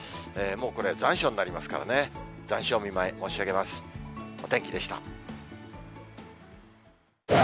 もうこれ、残暑になりますからね、残暑お見舞い申し上げます。